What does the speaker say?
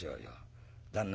旦那